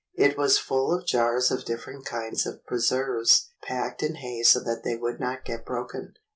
It was full of jars of different kinds of pre serves packed in hay so that they would not get broken.